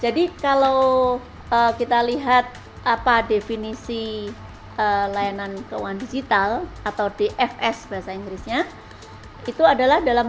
jadi kalau kita lihat apa definisi layanan keuangan digital atau dfs bahasa inggrisnya itu adalah dalam